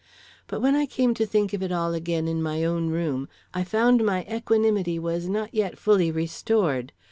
But when I came to think of it all again in my own room, I found my equanimity was not yet fully restored.